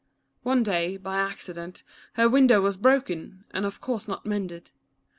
One day, by accident, her window was broken, and of course not mended.